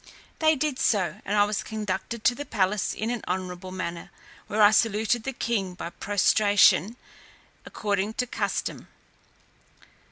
They did so, and I was conducted to the palace in an honourable manner, where I saluted the king by prostration, according to custom.